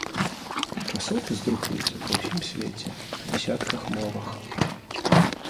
Часопіс друкуецца па ўсім свеце на дзясятках мовах.